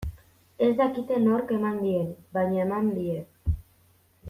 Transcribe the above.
Ez dakite nork eman dien, baina eman die.